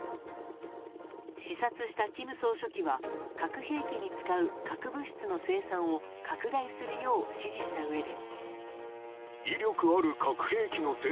視察した金総書記は核兵器に使う核物質の生産を拡大するよう指示したうえで。